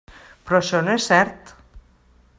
Però això no és cert.